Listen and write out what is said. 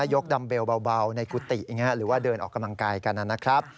กดัมเบลเบาในกุฏิหรือว่าเดินออกกำลังกายกันนะครับ